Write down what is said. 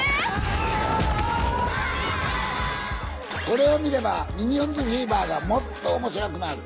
これを見れば『ミニオンズフィーバー』がもっと面白くなる。